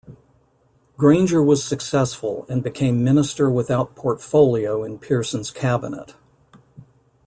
Granger was successful and became Minister without portfolio in Pearson's Cabinet.